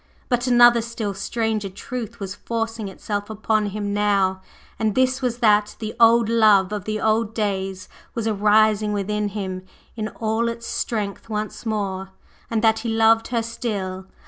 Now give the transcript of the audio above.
But another still stranger truth was forcing itself upon him now; and this was, that the old love of the old old days was arising within him in all its strength once more, and that he loved her still!